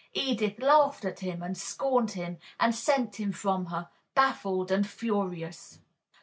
Edith laughed at him and scorned him, and sent him from her, baffled and furious.